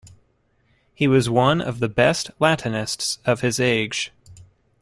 He was one of the best Latinists of his age.